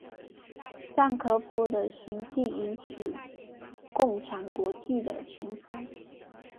赞科夫的行径引起共产国际的谴责。